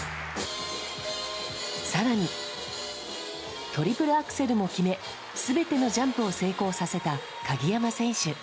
さらに、トリプルアクセルも決め、すべてのジャンプを成功させた鍵山選手。